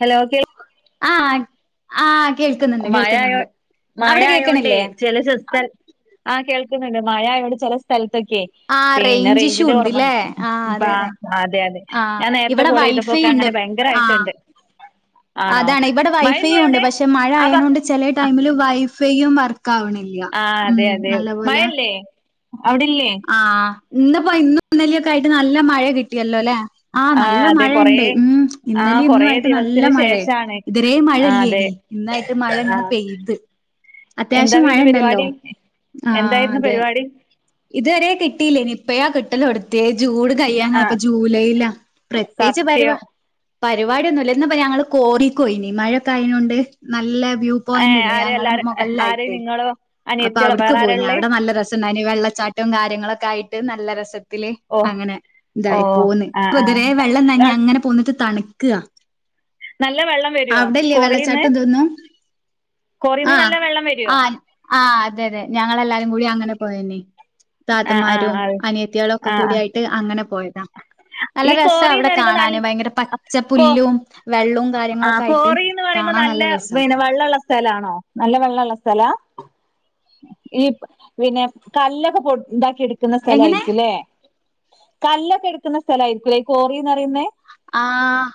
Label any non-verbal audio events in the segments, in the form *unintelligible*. Hello കേ *unintelligible* മഴയായൊ കേൾക്കുന്നുണ്ട് അവിടെ മഴയായൊണ്ടേ കേക്കണില്ലേ ചില *unintelligible* ആ കേൾക്ണ് ണ്ട് മഴ ആയോണ്ട് ചെലെ സ്ഥല ത്തൊക്കെ ആഹ് റേഞ്ച് ഇഷ്യൂ റെഞ്ചിന്റെ ഉണ്ട്ല്ലേ ആഹ് അതെ *unintelligible* അതെ അതെ ആഹ് ഞാൻ നേരത്തെ ഇവിടെ കോൾ ചെയ്തപ്പോ വൈഫൈ *unintelligible* ഉണ്ട് അങ്ങനെ ആഹ് ഭയങ്കരായിട്ട്ണ്ട് ആണോ? മയില്ലേവടെ? *unintelligible* ചെലെ ടൈമില് വൈഫൈയും വർക്ക ആവ് ണില്യാ ആ ഉം അതെ അതെ നല്ലപോലെ മഴല്ലേ അവിടില്ലേ ഇന്നപ്പോ ഇന്നുന്നലിയൊക്കെയായിട്ട് നല്ല മഴ കിട്ടിയല്ലോ ല്ലേ ആ നല്ല അതെ കൊറേ മഴയിണ്ട്. ഉം ആ ഇന്നലെ ഇന്നു കൊറേ ആയിട്ട് നല്ല ദിവസത്തിന് മഴയ ശേഷാണ് ഇതരേ ആ അതെ മഴയില്ലേനി ഇന്നായിട്ട് ആ മഴങ്ങനെ പെയ്ത് *inaudible* എന്താ ത്യാവശ്യം പിന്നെ മഴയണ്ടല്ലോ പരിപാടി ആ എന്തായിരുന്നു അതെ പരിപാടി ഇതോരെ കിട്ടിയില്ലേന് ഇപ്പയാകിട്ടലൊട്ത്തിയെ ചൂട് ആ കയ്യാനയാപ്പ ജൂലൈയിലാ പ്രത്യേച്ച് പരുവാ സത്യം പരിപാടിയൊന്നുല്ല ഇന്ന്പ്പ ഞങ്ങള് കോറിക്കുപോയിന്ന് മഴക്കൊക്കെ യായിനോണ്ട് നല്ല വ്യൂ ഏ പോയിന്റ് ണ്ട് ആര് ഞങ്ങളെ എല്ലാരും മൊ ആര് കളിലായിട്ട് നിങ്ങളോ അപ്പൊ അനിയത്തികളോ അവിടക്ക് വേറെ ആരാ പോയിന് ഉള്ളേ അവിടെ നല്ല *inaudible* *unintelligible* വെള്ളച്ചാട്ടവും കാര്യങ്ങളൊക്കെയിട്ട് നല്ല രസ *unintelligible* ഓ അങ്ങനെ ഓ തായി പോന്ന് ആ ഇപ്പ ആ തിരെ വെള്ളം നഞ്ഞ് അങ്ങനെ പോന്നിട്ട് തണു *unintelligible* നല്ല വെള്ളം വരുവോ അവിടല്ലേ വെള്ളച്ചാട്ടഇതൊന്നും കൊറീന്ന് നല്ല വെള്ളം വരോ ആ അതെ അതെ ഞങ്ങെല്ലാരും കൂടി അങ്ങനെ പോയെന്നെ ആ ആ താതന്മാരും അത് അനിയത്തിയെളുക്കെ ആ ക്കെ ആ കൂടിയായിട്ട്അങ്ങനെ പോയ *unintelligible* നല്ല ഈ രസ കോറീന്ന് അവിടെ പറയുമ്പോ കാണാണ് ന് നല്ല ഭയങ്കര പച്ച കോ പുല്ലെ ആ കോറിന്ന് പറയുമ്പോ നല്ല രസാ പിന്നെ വെള്ളള്ള സ്ഥലണോ നല്ല വെള്ളള്ള സ്ഥല *unintelligible* ഈ പിന്നെ കല്ലൊക്കെ പൊ ഇതാക്കി ടുക്കുന്ന സ്ഥലാ എങ്ങനെ യിരിക്കുംല്ലേ കല്ലൊക്കെ എടുക്കുന്ന സ്ഥല ആയിരിക്കുംല്ലേ ഈ കോറിന്ന് പറയുന്നേ ആഹ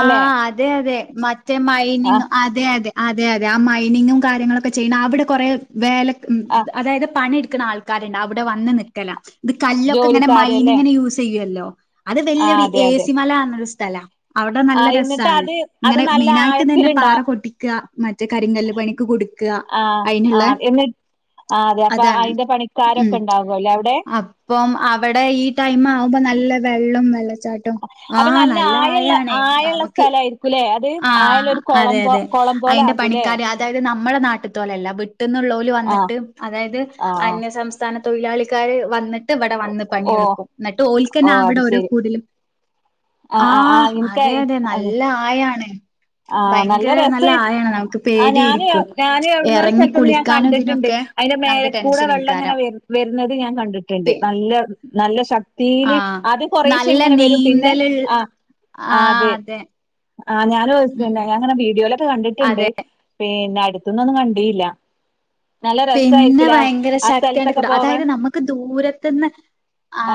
അല്ലെ ആഹ അതെ അതെ മറ്റേ ആ മൈനിങ് അതെ അതെ. അതെ അതെ ആ മൈനിങ്ങും കാര്യങ്ങളൊക്കെ ചെയ്യുന്ന അവിടെ കുറേ വേ ആ അതായത് പണ *unintelligible* ുന്ന ആൾക്കാരുണ്ട് അവിടെ വന്ന് നിൽക്കല ഇത് കല്ലൊക്കെ ഇങ്ങനെ ജോലിക്കാര് മൈൻ അല്ലേ ഇങ്ങനെ യൂസ് ചെയ്യുവല്ലോ. അത് ആ വലിയൊരു അതെ അതെ ഏസിമല എന്നൊരു സ്ഥലാ. അവിടെ ആ നല്ല എന്നിട്ട് രസമാണ് അത് അത് ഇങ്ങനെ നല്ല മെയിനായിട്ട് തന്നെ ആഴത്തില്ണ്ടാ പാറ പൊട്ടിക്കുന്ന ആൾക്കാർ ആണ്. മറ്റ കരിങ്കല്ല് പണിക്ക് കൊടുക്കുക ആ ആ അതിനുള്ള എന്നി ആ അതെ അപ്പൊ അതാണ് അയിന്റെ ഉ പണിക്കാരൊക്കെ ഉണ്ടാകുവല്ലേ അവിടെ അപ്പം അവിടെ ഈ ടൈം ആവുമ്പോ നല്ല. വെള്ളും വെള്ളച്ചാട്ടും അപ്പൊ ആഹ് നല്ല ആയള്ള ആയണേ ആയള്ള നമക്ക്. സ്ഥലായിരിക്കൂല്ലേ അത് ആയള്ള ആഹ ഒരു അതെ കൊളം പോ അതെ കൊളം പോലെ അതിന്റെ ആകൂല്ലേ പണിക്കാര് അതായത്. നമ്മുടെ നാട്ടിൽത്ത പോലല്ല വിട്ടന്നുള്ളൽ ആ വന്നിട്ട് അതായത് ആ അന്യസംസ്ഥാന. തൊഴിലാളിക്കാര് വന്നിട്ട് ഇവിടെ വന്ന് ഓ പണിയെടുക്കും എന്നിട്ട് ഓൽക്കന ഓ അത് അവിടെ ഓരോ ശരി കൂടുതലും. ആ ആ ആ ആഹ അതെ അതെ നല്ല ആയാണ്. ആഹ നല്ല ഭയങ്കര രസമായി ആയാണ് നമുക്ക് ആ് ഞാനും പേടിയിരിക്കും ഞൻ എവിടുന്ന ഒരു എറങ്ങി സ്ഥലത്തൊന്ന് ഞാൻ കുളിക്കാനും കണ്ടിട്ടുണ്ട്. ഇതിനൊക്കെ അതിന്റെ നമുക്ക് മേലക്കൂടെ വെള്ളം ഇങ്ങനെ ടെൻഷനേക്കാരം വരുന്നത് ഞാൻ കണ്ടിട്ടുണ്ട് നല്ല നല്ല ശക്തിയില്. ആ ആദ്യം കൊറേശെ നല്ല ഇങ്ങനെ വരും പിന്നെ നീന്തൽ ആ ആഹ അതെ. ആ ഞാന് ഉം പിന്നെ ഞ അങ്ങനെ വീഡിയോലൊക്കെ കണ്ടിട്ടുണ്ട് അതെ പിന്നെ അടുത്തൊന്നും ഒന്നും കണ്ടിയില്ല. നല്ല പിന്നെ രസായിരിക്കൂലേ ആ ഭയങ്കര ആ ശക്തിയാണ് സ്ഥലത്തൊക്കെ കൂട പോവാൻ അതായത് നമുക്ക് ദൂരത്തുന്ന്.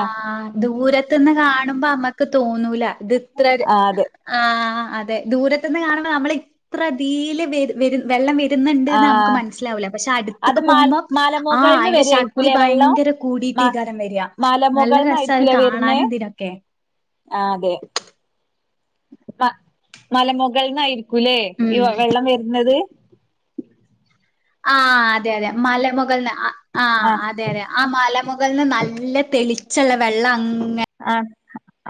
ആ ദൂര. *unintelligible* ന്ന് കാണുമ്പോ നമ്മക്ക് തോന്നൂല ഇത്ത്ര ആ അതെ ആ *unintelligible* അതെ ദൂരത്ത നിന്ന് കാണുമ്പോൾ നമ്മൾ ഇത്രതിീൽ വ വരും വെള്ളം വ *unintelligible* *inaudible* പണ്ട്ന്ന് ആ നമുക്ക് മനസ്സിലാവില്ല പക്ഷെ അടു *unintelligible* *inaudible* അത് മാൽ പോകുമ്പ ആ് മലമുകൾന്ന് അതിന്റെ ശക്തി വരായിരിക്കൂലേ വെള്ളം ഭയങ്കര മ കൂടിട്ട്ീകാരം വരിക നല്ല രസമായി. മലമുകൾന്നായിരിക്കൂലേ വരുന്നേ കാണാനുംന്തിതിനൊക്കെ *unintelligible* *inaudible* ആ അതെ *unintelligible* *inaudible* മ മലമുകളൾന്നയിരിക്കൂല്ലേ ഉം ഈ വെള്ളം വരുന്നത് *unintelligible* *inaudible* ആ അതെ അതെ മല മുകളൾന്ന. ആ അതെ അതെ ആ മലമുകളിൽന്ന് നല്ല തെളിച്ചുള്ള വെള്ളം. ആഹ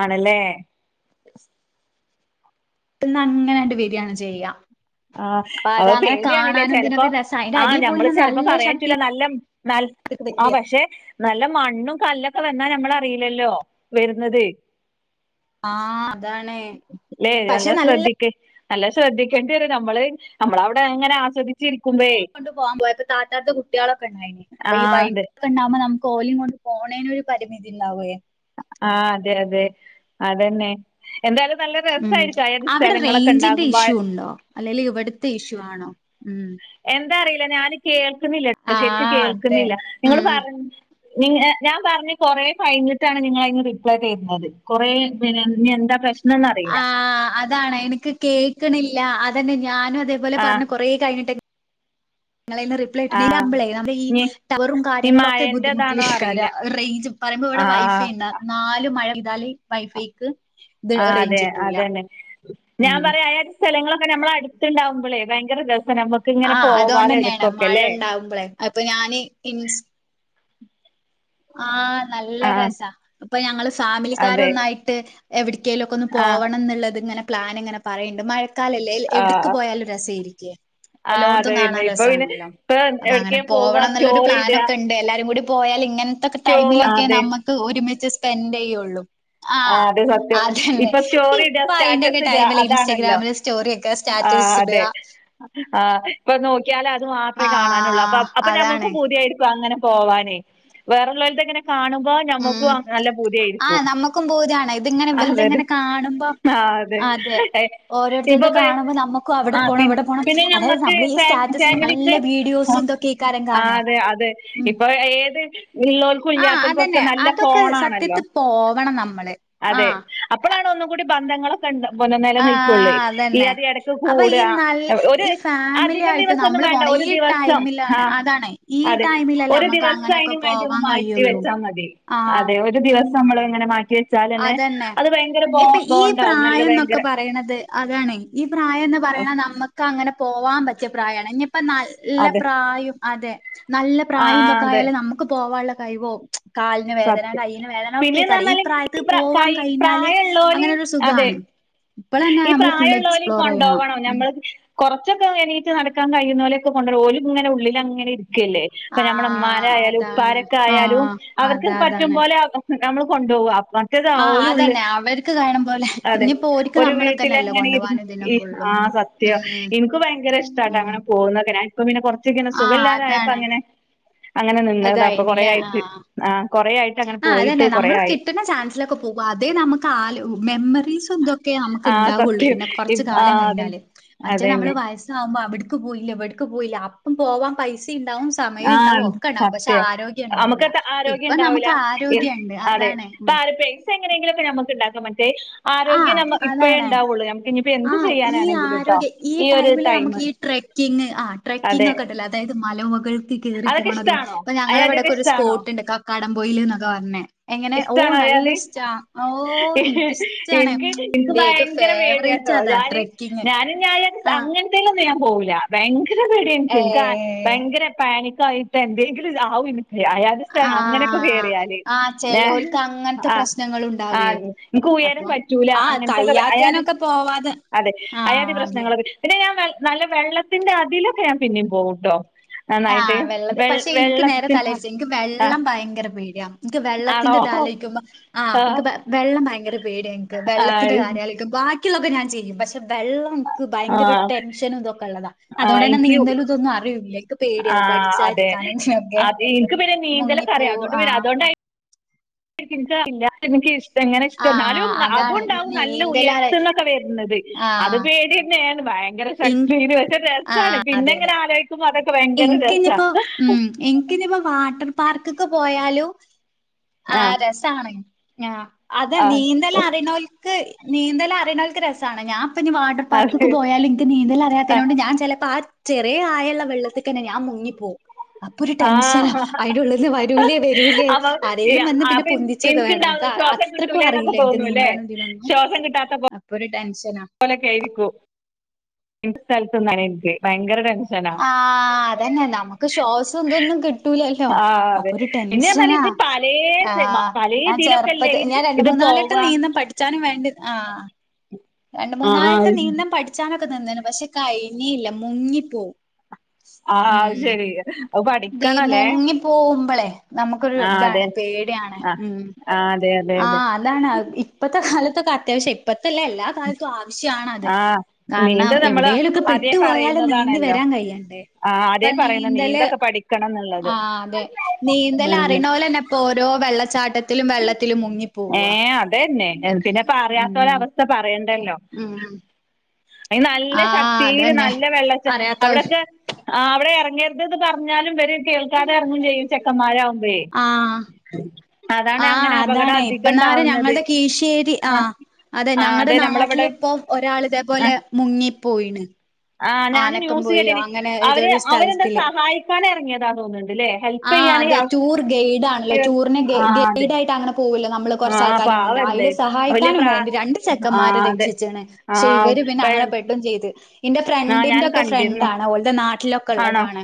ആണല്ലേ. എന്നന്ന് അങ്ങനെട്ട് ബരിയാാണ് ചെയ്യാം *unintelligible* ആഹ അത് പേടിയണില്ലേ ചെിലപ്പോ ഇതിനൊക്കെ രസാ അയിന്റെ അടി ആഹ് ഞമ്മള് പോയിന്ന ചെിലപ്പോ നല്ല ശക്തി പറയാനറ്റില്ല നല്ല ന *inaudible* ആ പക്ഷെ. നല്ല മണ്ണും കല്ലൊക്കെ വന്നാ നമ്മളറിയില്ലല്ലോ വരുന്നത് *inaudible* *unintelligible* ആഹ് *inaudible* *unintelligible* ലേ പക്ഷെ അന്ത നല്ല ശ്രദ്ധക്ക് *unintelligible* നല്ല ശ്രദ്ധിക്കേണ്ടി വരും നമ്മള് നമ്മള അവിടെ അങ്ങനെ ആസ്വദിച്ചിരിക്ക. കൊണ്ടണ്ട് പോകാൻ പോയ താറ്റാത്ത കുട്ടികളൊക്കെ ഉണ്ടായിന് അപ്പൊ ആഹ് അതെ ഈൈൊക്കെണ്ടാക്പോ നക്ക് *inaudible* *unintelligible* കോളി കൊണ്ട് പോണേനൊ ഒരു പരിമിതി ഇ ഉണ്ടാവയേ ആഹ അതെ അതെ അതന്നെ *inaudible* *unintelligible* എന്തായാലും നല്ല ഉം രസമായിരിക്കും അയാന്റെ അവിടെ സ്ഥലങ്ങളൊക്കെ റേഞ്ചിന്റെ ഉണ്ടാകുമ്പോ. ഇഷ്യൂ ഉണ്ടോ അല്ലെല് ഇവിടുത്തെ ഇഷ്യൂ ആണോ ഉം എന്താ അറിയില്ല ഞാന് കേൾക്കുന്നില്ല ശേക്ക് ആഹ് അതെ കേൾക്കുന്നില്ല നിങ്ങള് ഉം പറഞ്ഞ *inaudible* നി ഞാൻ പറഞ്ഞഞ് കൊറേ കഴിഞ്ഞിട്ടാണ് നിങ്ങള അന്ന് റിപ്ലൈ ചെയ്തുന്നത് കൊറേ പി എന്താ പ്രശ്ന *inaudible* *unintelligible* ആഹ അതാണ് എനിക്ക് കേക്കണില്ല അതന്നെ. ഞാനും ആ അതേപോലെഞ്ഞ കൊറേ കഴഞ്ഞട്ട. നി റി *unintelligible* പ്ല ആ കട്ടുണ്ടെങ്കിൽ *unintelligible* നള ന ഇനി ടവറും ഈ കാര്ങ്ങളൊക്കെ ബുദ്ധിുട്ടി മഴന്റെതാണോ അറിയില്ല റേഞ് പറ *unintelligible* *inaudible* ന ആ ഇവിടെ വൈഫൈ ഉണ്ട നാല് മഴ പെയ്താല് വൈഫൈക്ക് *inaudible* *unintelligible* ആ അതെ റേഞ്ച് കിട്ടൂല അതെന്നെ ഞാൻ ഉം പറയാ *unintelligible* *inaudible* സ്ഥലങ്ങളൊക്കെ നമ്മള അടുത്തണ്ടാവുമ്പോളേ ഭയര *inaudible* *unintelligible* ആ അതുകൊണ്ടന്നെയാണ് മഴ ഉണ്ടാവുമ്പോളെ അപ്പൊ ഞാന് ഇൻ *inaudible* ആ നല്ല ആ രസ അപ്പൊ ഞങ്ങള് ഫാമിലിക്കാര അതെ ഒന്നായിട്ട് എവി ക്കേലൊക്കെ ഒന്ന് ആ പോവണം ന്ന്ള്ളത് ഇങ്ങനെ പ്ലാൻ ഇങ്ങനെ പറയ്ണ്ട് മഴ കാലല്ലേൽ ആ എവ്ടക്ക് പോയാലും രസായിരിക്കെ ആ അതെ എല്ലോടത്തും പിന്നെ കാണാൻ ഇപ്പൊ പിന്നെ രസാണല്ലോ ഇപ്പൊ അപ്പൊ അങ്ങനെ എവിടേക്കാ പോവാ പോവണം ന്ന്ള്ള സ്റ്റോറി ഇടുക പ്ലാനൊക്കെ ഉണ്ട് എല്ലാരും കൂടി പോയാൽ ഇങ്ങനെ സ്റ്റോ ടൈമിലൊക്കെ അതെ നമുക്ക് ഒരുമിച്ച് സ്പെൻഡ് ചെയ്യുള്ളൂ ആ ആഹ അതെ സത്യം അതെന്നെ ഇപ്പൊ സ്റ്റോറി ഇടാ ഇപ്പൊ അയിന്റെൊക്കെ സ്റ്റാറ്റസ് ഇടാ ടൈമ അതാണല്ലോ ഇൻസ്റ്റഗ്രാമില് സ്റ്റോറി വക സ്റ്റാറ്റ സ് ഇട ആഹ് പനോ ക്കിയാൽ അത് മാത്രമേ കാണാനുള്ളൂ അപ്പ ആഹ് അപ്പൊ നഞമ്മക്ക് അതാണ്. പുതിയായിരിക്കും അങ്ങനെ പോവാനേ വേറള്ളവലത്തെങ്ങനെ കാണുമ്പോ ഉം നഞമ്മുക്കും നല്ല ബുതിയായിരിക്കും ആഹ് നമ്മക്കും പൂതിയാണ്. ഇതിങ്ങനെ അതെ അതെ ഇവൽതിങ്ങനെ കാണുമ്പോ ആ അതെ ഇപ്പൊ ഓരോരുത്തരത് കാണുമ്പോ നമ്മുക്കും അവിടെ ആ പോണം ഇവിടെ പോണം പിന്നെ അതായത് നമ്മക് നമ്മള് ഈ സ്റ്റാറ്റസില് ഫാമിലിക്ക്‌ നല്ല വീഡിയോസും ഇതൊക്കെയ്ക്കാരം ആ കാണാ അതെ അതെ ഉം. ഇപ്പൊ ഏത് ഉള്ളോൽക്കും ആഹ് കുല്ലാത്തൻക്കും അതന്നെ നല്ല അതൊക്കെ ഫോണാണല്ലോ സത്യത്തി പോവണം നമ്മള് അതെ ആഹ് അപ്പളാണ് ഒന്നും കൂടി ബന്ധങ്ങളൊക്കെ ഉ ന്ന നില നിൽക്കുള്ളൂ ആഹ് അതന്നെ. ഇയ്യതി ഇടക്ക് അപ്പൊ ഈ നല്ല കൂടുക ഒരു ഈ ഫാമിലി അധികം ആയിട്ട് ദിവസഒന്നും നമ്മള് വേണ്ട പോണം ഒരു ഈ ദിവസം ആ ടൈമിലാണ് അതാണ്. ഈ അതെ ടൈമിലല്ലേ ഒരു നമ്മക്ക് ദിവസം അങ്ങനൊക്കെ അയിന് വേണ്ടി ഒന്ന് പോവാൻ മാറ്റി കഴിയുള്ളൂ വെച്ചാൽ മതി ആഹ് അതെ ഒരു ദിവസം നമ്മൾ ഇങ്ങനെ മാറ്റ അതന്നെ ഇപ്പൊ ഈ ബോണ്ടാവും നല്ല പ്രായം എന്നൊക്കെ ഭയങ്കര പറയണത് അതാണ് ഈ പ്രായം ന്ന് പറയണ നമുക്ക് അങ്ങനെ പോവാൻ പറ്റിയ പ്രായമാണ് ഇനിപ്പ നല്ല അതെ പ്രായം അതെ നല്ല ആ പ്രായംഇതൊക്കെ അതെ ആയാലും നമുക്ക് പോവാനുള്ള കഴിവോ കാലിന് വേദന സത്യം കയ്യിന് വേദന ഒക്കെ പിന്നെന്ന് അയികരം പറഞ്ഞാല് ത്ത് ഈ പ്രാ പോവാൻ കഴിഞ്ഞാല് പ്രായമുള്ളവരെയും അങ്ങനെരു അതെ സുഖമാണ് ഈ പ്രായള്ളോലിയും കൊണ്ടോവാനം ഉം. ഞമ്മള് കുറച്ചൊക്കെ എണീറ്റ് നടക്കാൻ കഴുനോലെ കൊണ്ടോരണം ഓല് എങ്ങനെ ഉള്ളിലങ്ങനെ ഇരി ക്കലേ നമ്മള ഉമ്മര് ആഹ് ആയാലും അതാണ്. ഉപ്പാരൊക്കെ ആയാലും ആഹ് അവർക്ക് അതെ അതാണ്. പറ്റുംപോലെ നമ്മള് കൊണ്ടോവാ മറ്റേത് ആഹ് ഓലുള്ള് അതന്നെ അവർക്ക് കഴിയണ പോലെ അതെ ഇനിയിപ്പോ ഓര്ക്ക് ഒരു വീട്ടില നമ്മളൊക്കെന്നല്ലേ എങ്ങനെ ഇരുന്നു കൊണ്ടോവാനും ഈ ഇതിനൊക്കെ ഉള്ളൂ. ആ സത്യോ ഉം എനിക്ക് ഭയങ്കര ഇഷ്ട ഉം അങ്ങനെ പോവുന്നതെ ഞാൻ ഇപ്പ പിന്നെ കൊറച്ചൊക്കനെ സുഖ ആഹ് ഇല്ലാതൊയപ്പ അതാണ്. അങ്ങനെ അങ്ങനെ നിന്നതാ അപ്പൊ കൊറായിട്ട് ആ കൊറേ ആയിട്ട് അങ്ങനെ ആ പോയിട്ട് അതന്നെ കൊറേ നമ്മള് ആയി കിട്ട്ണ ചാൻസിലൊക്കെ പോവാ അതേ നമുക്ക് ആ മെമ്മറീസ് ഇതൊക്കെ നമുക്ക് ആ ഉണ്ടാവുള്ളൂ സത്യം പിന്നെ ഇ കുറച്ച് ആ കാലം അതെ കഴിഞ്ഞാല് മറ്റേ നമ്മള് അതെന്നെ വയസാവുമ്പോ അവിടു ക്ക്‌ പോയില്ല വെടക്ക് പോയില്ല അപ്പം പോവാൻ പൈസ ടി ണ്ടാവും സമയും ഉണ്ടാവും ആഹ് ഒക്കെ ഉണ്ടാവും പക്ഷെ സത്യം ആരോഗ്യം ഉണ്ടാവൂല്ല നമുക്കത്ര ആരോഗ്യം ഉണ്ടാവൂല നമുക്ക് ആരോഗ്യംണ്ട് അതാണ് ഉ ഇപ്പങ്ങനെയെങ്കിലോക്കെ നമുണ്ടാക്ക ആരോഗ്യം ആഹ് നമ്മ ഇപ്പഴേ അതാണ്. ഉണ്ടാവുള്ളൂ നമുക്ക് ഇനിയിപ്പോ ആ എന്ത് ഈ ചെയ്യാനാണെങ്കിലും ട്ടോ ആരോഗ്യ ഈ ഒരു ടൈമില് ടൈമ നമുക്ക് ഈ ട്രക്കിങ് ആ ട്രക്കിങ് ഒക്കെ ണ്ടല്ലോ അതായത് മല കയറി അതൊക്കെ പോണതും ഇഷ്ടാണോ ഇപ്പൊ ഞങ്ങളെ അയാദ്യൊക്കെ വിടൊക്കെ ഒരു ഇഷ്ടാണോ സ്പോട്ട്ണ്ട് കക്കാടംപൊയില്ന്നൊക്കെ പറഞ്ഞെ ഇഷ്ടണോ അയ് അത് എനിക്കിഷ്ടാണ് എനിക്ക് എനിക്ക് എന്റെ ഏറ്റവും ഭയങ്കര ഫേവറേറ്റ് പേടിയട്ടോ അതാ ഞാൻ ട്രെക്കിങ് ഞാനും ഞ ആ അങ്ങനത്തെലൊന്നും ഞാൻ പോവൂല ഭയങ്കര പേടിയ ഏ ക്ക് ഭയങ്കര പാനിക്കായിട്ട് എന്തെങ്കിലും ആവും അയാത് സ്ഥല ആ അങ്ങനെയൊക്കെ കേറിയാല് ആ ഞാൻ ചെലോൽക്ക് അങ്ങനത്തെ ആ പ്രശ്നങ്ങൾ ആ ഉണ്ടാവേ ഇങ്ക് ഉയരം അപ്പം പറ്റൂല ആ അങ്ങനത്തൊക്കെ അയാത് കയ്യാത്തേനൊക്കെ പോവാതെ അതെ ആ അയാതി അതെ പ്രശ്നങ്ങളൊക്കെ പിന്നെ ഞാൻ നല്ല വെള്ളത്തിന്റെ അതിലൊക്കെ ഞാൻ പിന്നെയും പോവുട്ടോ ആഹ് വെള്ള പക്ഷെ എനിക്ക് നേരെ വെള്ളത്തിന്റെ തലതിരിച്ച എനിക്ക് ആ വെള്ളം ഭയങ്കര പേ ടിയാ ആണോ വെള്ളത്തിന്റെദാലോയ്ക്കുമ്പോ ആ് ആ വെള്ളം ഭയങ്കര പേടിയ ഇങ്ക് ആ വെള്ളത്തിന്റെ കാര്യാലക്കും ബാക്കിയുള്ളൊക്കെ ഞാൻ ചെയ്യും പക്ഷെ വെള്ളം ഭയങ്കര ആ ടെൻഷനും ഇതൊക്കെ ഉള്ളതാ ആ അതോണ്ടഎന്നെ എനിക്ക് നീന്തലും ഇതൊന്നും അറിയുല്ല ആ അതെ അത ഇങ്ക് പിന്നെ നീന്തല് പറിയാ മുങ്ങിപ്പോവും അതുകൊണ്ട് പിന്നെ ആഹ് അതുകൊണ്ടായി എങ്കാഹ് ഇല്ല ഇങ്ക്ഷ് എങ്ങനെ ഇഷ്ട എന്നാലും ആഹ് അതാണ് ഈ അതൊണ്ടാവും നല്ല നീന്തലാണ് ഉയർത്തന്നൊക്കെ വരുന്നത് അത് ആഹ് പേടി തന്നെയാണ് ഭയങ്കര ഇൻ ശക്തി ഇത് വെച്ച രസമാണ് പിന്നെ എങ്ങനെ ആലോചിക്കുമ്പോ അതൊക്കെ ഭയങ്കര രസാ എനക്ക്ന്നപ്പോ ഉം എനക്ക്നിപ്പോ വാട്ടർ പാർക്ക്ൊക്കെ പോയാലോ ആ ആഹ രസമാണ് ആ് അത ആ നീന്തല്ലാം അറിയണ ക്ക് നീന്തല അറിയുന്നൾക്ക് രസമാണ് ഞാൻ ഇപ്പ ഇനി വാട്ടർ പാർക്ക്ൊ അതെ പോയാാല എനിക്ക് നീന്തൽ ആ അറിയത്തിതിനോണ്ട് ഞാൻ ചിലപ്പോ ചെറിയ ആായുള്ള വെള്ളത്തിൽ തന്നെ ഞാൻ മുങ്ങിപ്പോകവും അപ്പൊ ഒരു ആ. ടെൻഷനാ അയിടെള്ളന്ന് വരൂലേ വരൂലേ അപ്പൊ ഏ, എലും വന്ന് പിന്നെ അപ്പൊ എനി- പൊന്ച്ചൊക്കെ വേണം എനിക്കുണ്ടാവുന്ന ശ്വാസം അത്രക്കും കിട്ടൂലെന്നൊക്കെ അറില്ല എനി തോന്നൂല്ലേ നീന്താനുംതിനൊന്നും അലൊക്കെ ആയിരിക്കും എന്റെ സ്ഥലത്തന്ന എനിക്ക് ഭയങ്കര ടെൻഷനാ ആഹ അതന്നെ നമുക്ക് ശ്വാസം എന്തൊന്നും കിട്ടൂലല്ലോ ആ അപ്പൊ അതെ ഒരു പിന്നെ ടെൻഷന പറഞ്ഞാല് ഇത് പലേ സെമ ആ് പലേ ഞാൻ ഇതിലൊക്കെ അല്ലേ ചെറുപ്പത്തെ ഇത് ഞാൻ രണ്ട ഇത് മൂന്ന നാലട്ടം പോവാ നീന്തും പഠിച്ചാനും വേണ്ടി ആഹ രണ്ട ആ ആ മൂന്നായിട്ട് നീന്തും പഠിച്ചാനൊക്കെ നിന്ന പക്ഷെ കഴിഞ്ഞല്ല മുങ്ങിപ്പോവും ആഹ അ ശരി ീ പഠിക്കണല്ലേ മുങ്ങി പോകുമ്പോളെ നമുക്കൊരു ആ അതെ ഇതാണ് പേടിയാണ് ആ ഉം ആ അതെ അതെ ആഹ അതെ അതാണ് ഇപ്പഴത്തെ കാലത്തൊക്കെ അത്യാവശ്യം ഇപ്പത്തല്ല എല്ലാ കാലത്തും ആവശ്യണത് ആ നീന്ത കാരണം നമ്മള് എവിടെേലുംൊക്കെ ആദ്യേ പെട്ടു പോോയാലും നീന്തി പറയുന്നതാണല്ലോ വരാൻ കഴിയണ്ടേ ആ ഇപ്പൊ ആദ്യേ പറയുന്ന നീന്തല് നീന്തൊക്കെ പഠിക്കണം എന്നുള്ളത് ആ അതെ നീന്തല് ഉം. അറിയണ പോലെന്നെ ഇപ്പ ഓരോ വെള്ളച്ചാട്ട ത്തി മുങ്ങി പോവവാ പിന്നെപ്പ അിയാത്ത ഒര അവസ്ഥ പറയണ്ടല്ലോ ഉം അ നല്ല ആ ശക്തിയില് അതന്നെ നല്ല വെള്ളച്ച അറിയാത്ത അവിടെൊക്കെ ആ അവിടെ ഇറ അങ്ങത് ഇത് പറഞ്ഞാലും വ കേൾക്കാതെ ഇറങ്ങും ചെയ്യും ചെക്കന്മാരാാവുമ്പേ ആ ആ അതാണ് ഇപ്പന്നല് ഞങ്ങളുടെ കീശ്ശേരി ആ അതെ ആ ഞങ്ങളുടെ നമ്മളവിടെ നാട്ടിലിപ്പോ ഒരാൾ ആ ഇതേപോലെ മുങ്ങിപ്പോയിണ് ആ ഞാാന് ന്യൂസ് കേട്ടിയെ അവര് ഏതോരു അവരെന്താ സ്ഥലത്തില്. സഹായിക്കാന ഇറങ്ങിയതാ തോന്നുന്നുണ്ട്ല്ലേ ഹെൽപ് ആ ചെയ്യാൻ അതെ ടൂർ ഗൈഡ് ആണല്ലോ ടൂറിെ അതെ ഗൈഡ് ആയിട്ട് അങ്ങനെ പോകല്ലോ നമ്മള് കുറച്ച ആ ആൾക്കാരും ഇങ്ങ കൊണ്ട് പാവല്ലേ അതില് വലിയ സഹായിക്കാനും പ്രാ വേണ്ടി രണ്ട് ആ ചെക്കന്മാരെ അതെ രക്ഷിച്ചാണ് ആ പക്ഷെ ഇവര് പിന്നെ വെ അങ്ങനെ പെട്ടും ചെയ്ത് എന്റെ ആ ഞാൻ ഫ്രണ്ടിന്റെ ഒക്കെ ഫ്രണ്ട് കണ്ടിരുന്നു ആാണ് അവളുടെ നാട്ടിലൊക്കെ ആണോ ഉള്ളതാണ്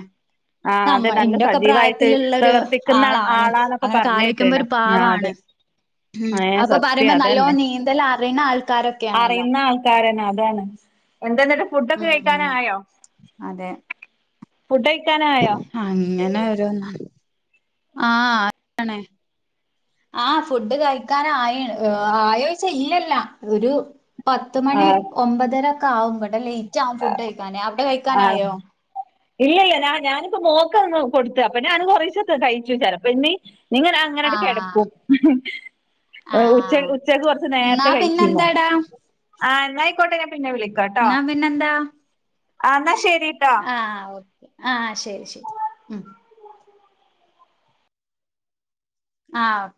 ആ അതെ നമ്മ നല്ല ഇന്റെയൊക്കെ സജീവായിട്ട് പ്രായത്തിലുള്ളരു പ്രവർത്തിക്കുന്ന ആളാണ് ആളാന്നൊക്കെ അങ്ങനെ പറഞ്ഞ് കാലക്കുമ്പോ കേട്ട്ണ് ഒരു ആ പാവാണ് അതെ ഉം ഏ അപ്പൊ സത്യം പറയുമ്പോ നല്ലോ അതന്നെ നീന്തൽ അറുന്ന ആൾക്കാരൊക്കെയാണല്ലോ എന്തെന്നിട്ട് ഫുഡ ഒക്കെ കഴിക്കാന ഉം ആയോ അതെ അങ്ങനെ ഒരുരോന്ന ആഹ ആണേ ആഹ ഫുഡ് കഴിക്കാനായ ആയോചിച്ച ഇല്ലല്ല ഒരു പത്ത മണി ആഹ് ഒമ്പതരൊക്കെ ആവുംും കേട്ടെ ലേറ്റ് ആവുംും ഫുഡ് കഴിക്കാനേ അവിടെ കഴിക്കാനായോ ഇല്ല ഇല്ല ാ ഞാനിപ്പോ മോക്ക ഒന്ന് കൊടുത്ത അപ്പൊ ഞാന് കുറശ കഴിച്ചു വച്ചാം അപ്പൊ ഇനി നിങ്ങ അങ്ങനെട ആഹ് കിടപ്പും ഉച്ച ആഹ് ഉച്ചക്ക് കൊറച്ച് എന്നാ നേരത്തെ കഴിച്ചിുന്നോ പിന്നെന്താടാ ആഹ് എന്നായിക്കോട്ടെ ഞാെ പിന്നെ വിളിക്കോട്ടോ പിെന്താ ആ എന്നാ ശരി ആഹ ഓക്കെ ആഹ ശരി ശരി ഉ ആഹ്ഓക്ക